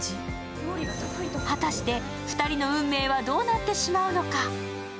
果たして２人の運命はどうなってしまうのか。